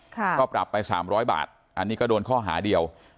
ก็ปรับไป๓๐๐บาทอันนี้ก็โดนข้อหาเดียว